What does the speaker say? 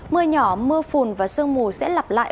mưa nhỏ mưa phùn và sương mù sẽ lặp lại